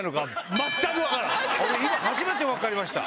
今初めて分かりました。